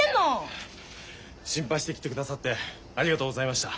心配して来てくださってありがとうございました。